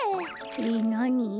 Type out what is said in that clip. えっなに？